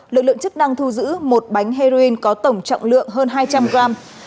lực lượng chức năng thu giữ một bánh heroin có tổng trọng lượng hơn hai trăm linh gram